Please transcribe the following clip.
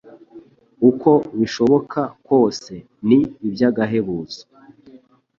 uko bishoboka kose, ni iby’agahebuzo